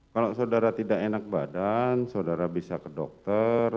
kalau saudara tidak enak badan saudara bisa ke dokter